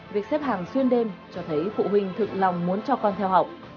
việc xếp hàng xuyên đêm cho thấy phụ huynh thực lòng muốn cho con theo học